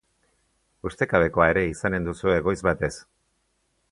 Ustekabekoa ere izanen duzue goiz batez.